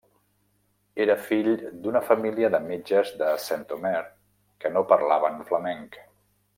Era fill d'una família de metges de Saint-Omer que no parlaven flamenc.